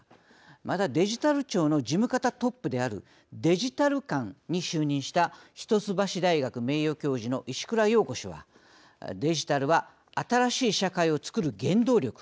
また、デジタル庁の事務方トップであるデジタル監に就任した一橋大学名誉教授の石倉洋子氏はデジタルは新しい社会を作る原動力。